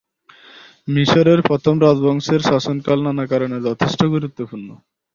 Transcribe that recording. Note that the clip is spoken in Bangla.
মিশরের প্রথম রাজবংশের শাসনকাল নানা কারণে যথেষ্ট গুরুত্বপূর্ণ।